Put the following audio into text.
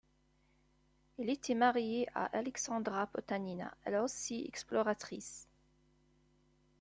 Il était marié à Aleksandra Potanina, elle aussi exploratrice.